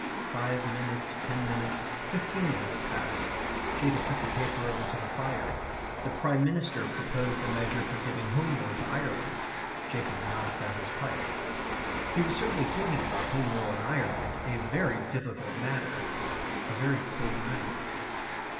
Five minutes, ten minutes, fifteen minutes passed. Jacob took the paper over to the fire. The Prime Minister proposed a measure for giving Home Rule to Ireland. Jacob knocked out his pipe. He was certainly thinking about Home Rule in Ireland a very difficult matter. A very cold night.